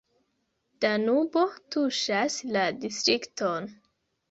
Danubo tuŝas la distrikton.